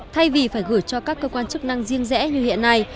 thay vì phải gửi cho các cơ quan chức năng riêng rẽ như hiện nay